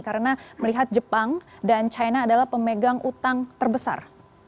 karena melihat jepang dan china adalah pemegang utang terbesar